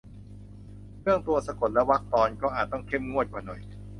เรื่องตัวสะกดและวรรคตอน ก็อาจต้องเข้มงวดกว่าหน่อย